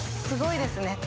すごいですね。